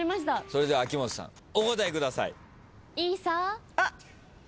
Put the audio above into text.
それでは秋元さんお答えください。